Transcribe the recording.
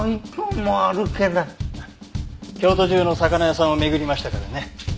京都中の魚屋さんを巡りましたからね。